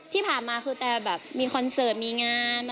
ที่ผ่านมาคือแต่แบบมีคอนเสิร์ตมีงาน